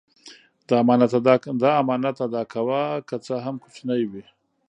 د امانت ادا کوه که څه هم کوچنی وي.